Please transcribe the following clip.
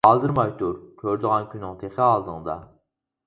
ئالدىرىماي تۇر، كۆرىدىغان كۈنۈڭ تېخى ئالدىڭدا!